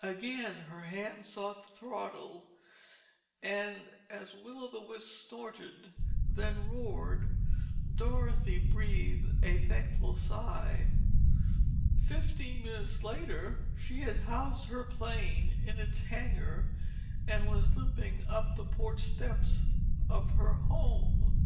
Again her hand sought the throttle and as Will o' the Wisp snorted, then roared, Dorothy breathed a thankful sigh. Fifteen minutes later she had housed her plane in its hangar, and was limping up the porch steps of her home.